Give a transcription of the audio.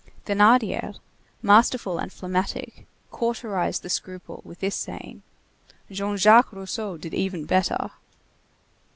Thénardier, masterful and phlegmatic, cauterized the scruple with this saying: "Jean Jacques Rousseau did even better!"